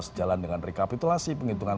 sejalan dengan rekapitulasi penghitungan